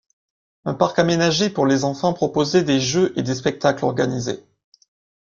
Un parc aménagé pour les enfants proposait des jeux et des spectacles organisés.